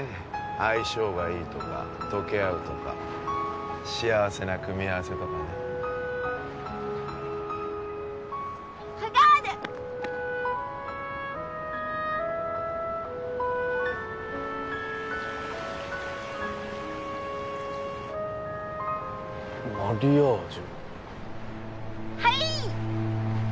相性がいいとか溶け合うとか幸せな組み合わせとかねマリアージュ？